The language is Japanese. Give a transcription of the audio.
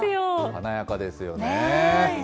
華やかですよね。